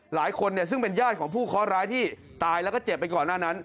หลายคนซึ่งเป็นญาติของผู้เคาะร้ายที่ตายแล้วก็เจ็บไปก่อนหน้านั้น